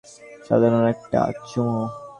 সাধারণ একটা চুমু?